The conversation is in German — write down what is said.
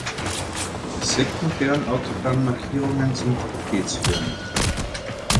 Die sekundären Autobahnmarkierungen sind trapezförmig.